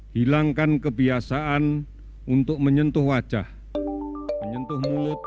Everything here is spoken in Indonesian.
hilangkan kebiasaan untuk menyentuh wajah